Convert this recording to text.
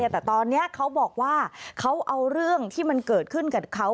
แต่ตอนนี้เขาบอกว่าเขาเอาเรื่องที่มันเกิดขึ้นกับเขา